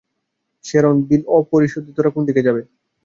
Sharon, bill অ-পরিশোধিতরা কোন দিকে যাবে।